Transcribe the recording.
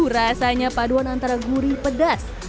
rasanya paduan antara gurih pedas